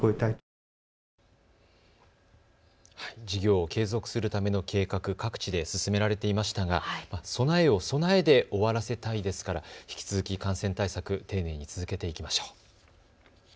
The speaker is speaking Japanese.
事業を継続するための計画、各地で進められていましたが、備えをを備えで終わらせたいですから引き続き感染対策、丁寧に続けていきましょう。